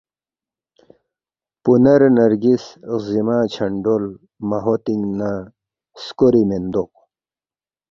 پُنر نرگس غزیما چھونڈول مہوتنگ نہ سکوری میندوق